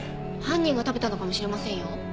犯人が食べたのかもしれませんよ。